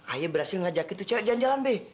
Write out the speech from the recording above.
ayah berhasil ngajakin tuh cewek jalan jalan be